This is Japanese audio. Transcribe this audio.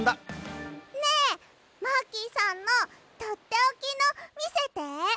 ねえマーキーさんのとっておきのみせて！